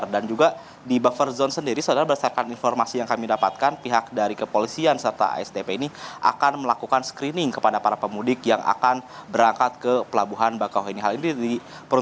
dan juga di buffer zone sendiri saudara berdasarkan informasi yang kami dapatkan pihak dari kepolisian serta isdp ini harus terperintahkan certificate